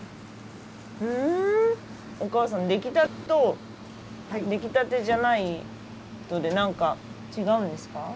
うんおかあさん出来たてと出来たてじゃないとで何か違うんですか？